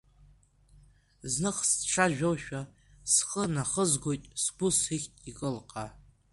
Зных, сцәажәошәа, схы нахызгоит, сгәы сыхьт, икылкаа…